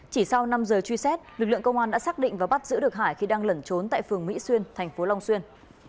chỉ sau năm giờ truy xét lực lượng công an đã xác định và bắt giữ được hải khi đang lẩn trốn tại phường mỹ xuyên thành phố long xuyên